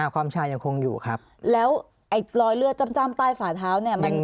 ความชายังคงอยู่ครับแล้วรอยเลือดจ้ำใต้ฝาเท้า